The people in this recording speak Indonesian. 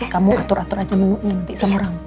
kamu atur atur aja menu ini nanti sama orang